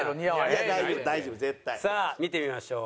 見てみましょう。